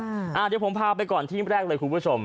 ช่วยเราด้วยนะครับเดี๋ยวผมพาไปก่อนที่แรกเลยคุณผู้ชม